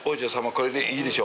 これでいいでしょうか？